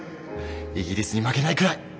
イギリスに負けないくらい！